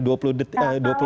dua puluh kali kalau lebih dari